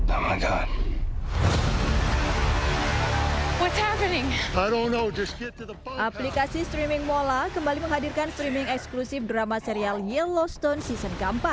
aplikasi streaming mola kembali menghadirkan streaming eksklusif drama serial yellowstone season keempat